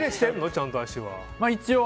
ちゃんと脚は。